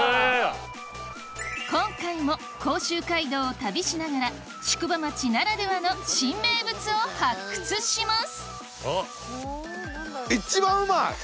今回も甲州街道を旅しながら宿場町ならではの新名物を発掘します